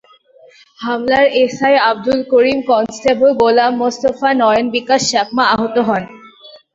হামলায় SI Abdul Karim, constable Golam Mostafa, Nayan Bikash Chakma আহত হন।